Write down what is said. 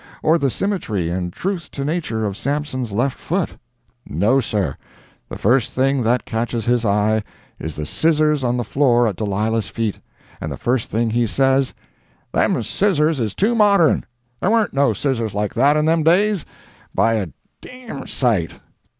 or the symmetry and truth to nature of Sampson's left foot? No, sir, the first thing that catches his eye is the scissors on the floor at Delilah's feet, and the first thing he says, "Them scissors is too modern—there warn't no scissors like that in them days, by a d—d sight!"